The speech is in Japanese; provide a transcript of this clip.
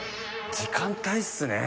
時間帯っすね。